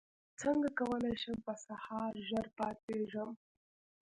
څنګه کولی شم په سهار ژر پاڅېږم